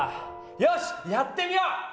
よしやってみよう！